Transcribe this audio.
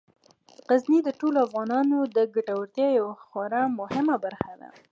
غزني د ټولو افغانانو د ګټورتیا یوه خورا مهمه برخه ده.